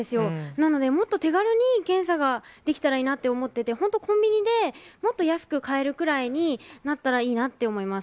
なので、もっと手軽に検査ができたらいいなと思ってて、本当、コンビニでもっと安く買えるくらいになったらいいなって思います。